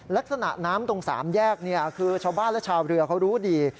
ลักษณะน้ำตรงสามแยกคือชาวบ้านและชาวเรือเขารู้ดี